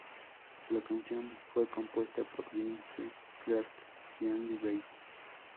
La canción fue compuesta por Vince Clarke y Andy Bell.